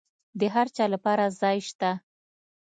د هرچا لپاره ځای سته.